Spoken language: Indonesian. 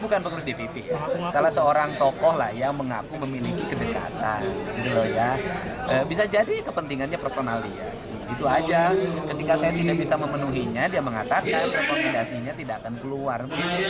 ketika saya tidak bisa memenuhinya dia mengatakan rekomendasinya tidak akan keluar